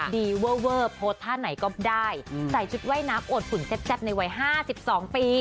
เวอร์เวอร์โพสต์ท่าไหนก็ได้ใส่ชุดว่ายน้ำอดฝุ่นแซ่บในวัย๕๒ปี